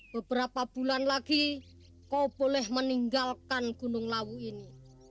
beberapa bulan lagi kau boleh meninggalkan gunung lawu ini